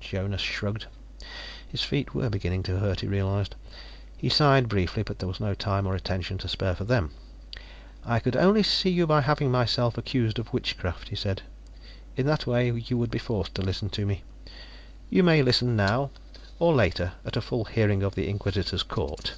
Jonas shrugged. His feet were beginning to hurt, he realized; he sighed briefly, but there was no time or attention to spare for them. "I could only see you by having myself accused of witchcraft," he said. "In that way, you would be forced to listen to me. You may listen now, or later at a full hearing of the Inquisitor's Court."